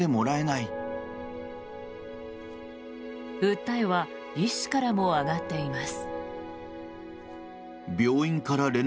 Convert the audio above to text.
訴えは医師からも上がっています。